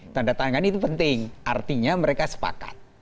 tandatangani itu penting artinya mereka sepakat